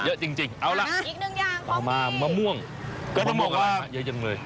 เยอะจริงเอาละต่อมามะม่วงมะม่วงอะไรนะเยอะจังเลย